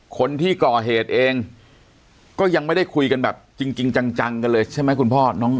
คนที่ก่อเหตุเองก็ยังไม่ได้คุยกันแบบจริงจังกันเลยใช่ไหมคุณพ่อ